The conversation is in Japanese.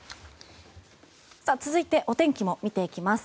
続いてお天気も見ていきます。